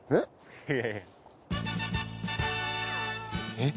えっ？